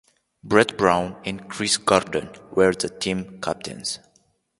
Brett Brown and Chris Gordon were the team captains.